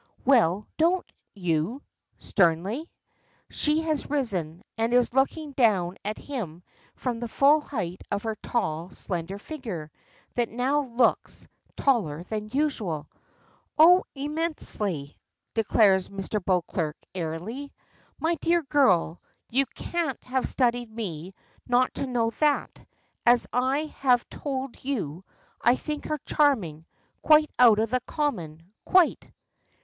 "Well, don't you?" sternly. She has risen, and is looking down at him from the full height of her tall, slender figure, that now looks taller than usual. "Oh, immensely!" declares Mr. Beauclerk, airily. "My dear girl, you can't have studied me not to know that; as I have told you, I think her charming. Quite out of the common quite."